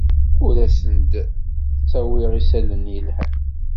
Ur asen-d-ttawyeɣ isalan yelhan.